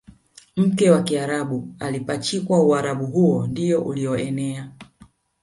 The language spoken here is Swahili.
mke wa Kiarabu alipachikwa Uarabu huo ndiyo uliyoenea